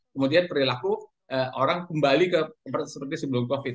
kemudian perilaku orang kembali ke tempat seperti sebelum covid sembilan belas